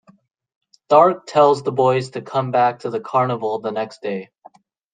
Dark tells the boys to come back to the carnival the next day.